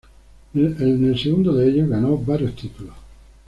En el segundo de ellos, ganó varios títulos.